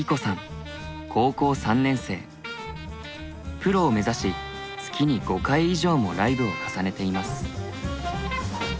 プロを目指し月に５回以上もライブを重ねています。